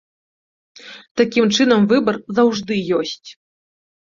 Такім чынам, выбар заўжды ёсць.